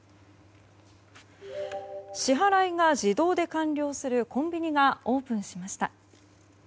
支払いが自動で完了するコンビニがオープンしました。